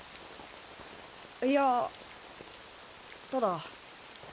いやただ。